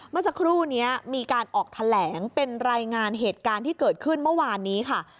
เมื่อสักครู่นี้มีการออกแถลงเป็นรายงานเหตุการณ์ที่เกิดขึ้นเมื่อวานนี้ค่ะ